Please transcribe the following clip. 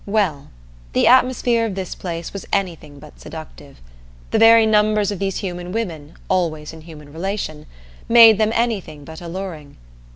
Well, the atmosphere of this place was anything but seductive. The very numbers of these human women, always in human relation, made them anything but alluring.